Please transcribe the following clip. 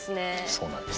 そうなんです。